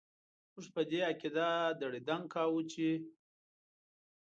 موږ په دې عقيده دړي دنګ کاوو چې ...